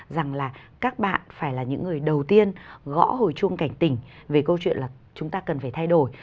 rằng là các bạn phải là những người đầu tiên gõ hồi chuông cảnh tỉnh về câu chuyện là chúng ta cần phải thay đổi